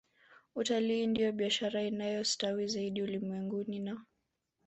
Utalii ndiyo biashara inayostawi zaidi ulimwenguni na